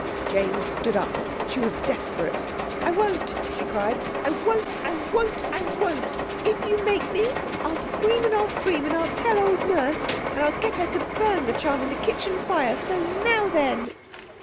Jane stood up. She was desperate. "I won't!" she cried; "I won't, I won't, I won't! If you make me I'll scream and I'll scream, and I'll tell old Nurse, and I'll get her to burn the charm in the kitchen fire. So now, then!"